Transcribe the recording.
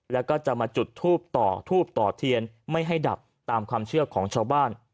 แล้วก็จะมาจุดทูบต่อทูบต่อเทียนไม่ให้ดับตามความเชื่อของชาวบ้าน